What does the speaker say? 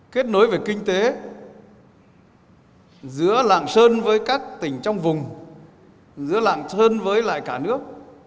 kết nối về kinh tế giữa lạng sơn với các tỉnh trong vùng giữa lạng sơn với lại cả nước